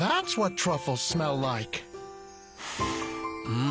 うん。